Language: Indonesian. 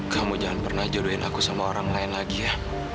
kamu jangan pernah jodohin aku sama orang lain lagi ya